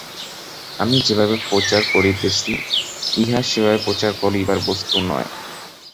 আমি যেভাবে প্রচার করিতেছি, ইহা সেভাবে প্রচার করিবার বস্তু নয়।